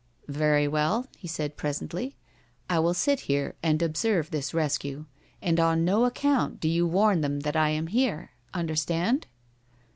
"Very well," he said presently. "I will sit here and observe this rescue. And on no account do you warn them that I am here. Understand?"